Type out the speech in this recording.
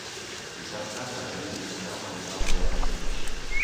Dissabte na Thaís i en Telm aniran al teatre.